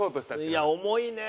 いや重いね。